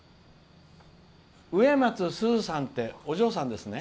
上松すずさんってお嬢さんですね？